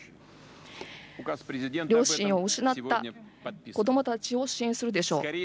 両親を失った子どもたちを支援するでしょう。